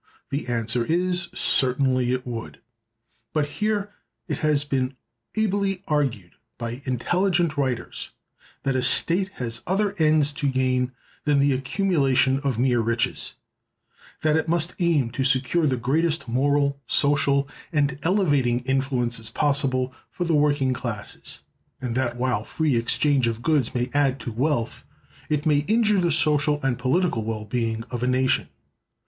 The answer is, certainly it would. But here it has been ably urged by intelligent writers that a state has other ends to gain than the accumulation of mere riches; that it must aim to secure the greatest moral, social, and elevating influences possible for the working classes; and that while free exchange of goods may add to wealth, it may injure the social and political well being of a nation.